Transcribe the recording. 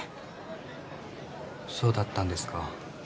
そうだったんですか。